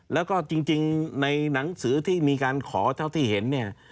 แล้วก็จริงในหนังสือที่มีการขอเท่าที่เห็นเนี่ย